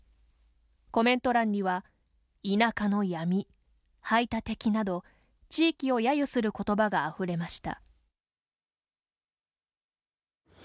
コメント欄には「田舎の闇」「排他的」など地域をやゆする言葉があふれました。